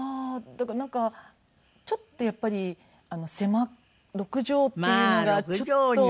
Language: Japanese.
だからなんかちょっとやっぱり狭い６畳っていうのがちょっと。